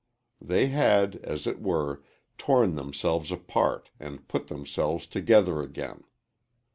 They had, as it were, torn themselves apart and put themselves together again.